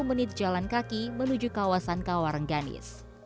sepuluh menit jalan kaki menuju kawasan kawarangganis